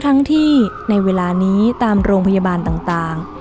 ทั้งที่ในเวลานี้ตามโรงพยาบาลต่าง